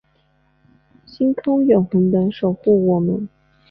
星空永恒的守护我们